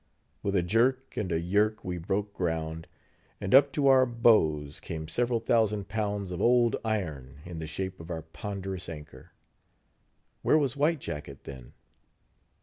With a jerk and a yerk, we broke ground; and up to our bows came several thousand pounds of old iron, in the shape of our ponderous anchor. Where was White Jacket then?